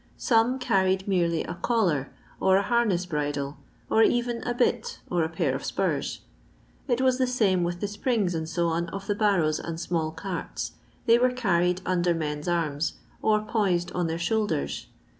Some carried merelj a collar, or a harness bridle, or even a bit or a pair of spurs. It was the same with the springs, &c., of the barrows and small carts. They were carried under men*s arms, or poised on their shoulders.